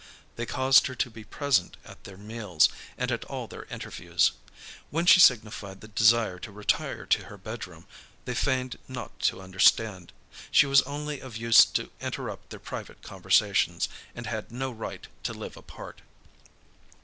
They caused her to be present at their meals, and at all their interviews. When she signified the desire to retire to her bedroom, they feigned not to understand. She was only of use to interrupt their private conversations, and had no right to live apart.